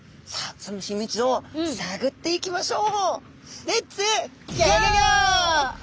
その秘密をさぐっていきましょう！